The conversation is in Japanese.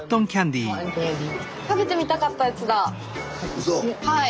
うそ⁉はい。